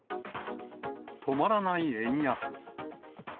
止まらない円安。